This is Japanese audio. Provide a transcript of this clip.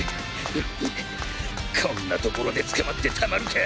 こんなところで捕まってたまるか。